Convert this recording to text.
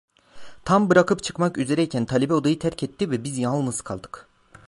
Tam bırakıp çıkmak üzereyken talebe odayı terk etti ve biz yalnız kaldık.